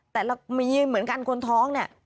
แต่เรามีเหมือนกันคนท้องเนี่ย